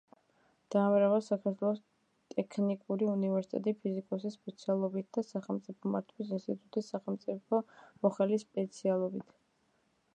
დაამთავრა საქართველოს ტექნიკური უნივერსიტეტი ფიზიკოსის სპეციალობით და სახელმწიფო მართვის ინსტიტუტი სახელმწიფო მოხელის სპეციალობით.